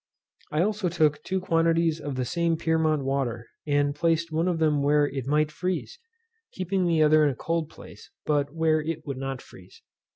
I also took two quantities of the same Pyrmont water, and placed one of them where it might freeze, keeping the other in a cold place, but where it would not freeze.